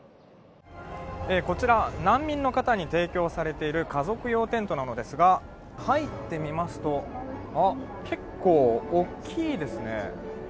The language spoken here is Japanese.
こちら難民の方に提供されている家族用テントなのですが、入ってみますとあっ、結構大きいですね。